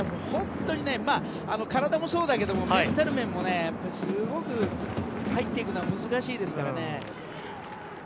本当に体もそうだけどメンタル面もすごく、入っていくのは難しいですからね。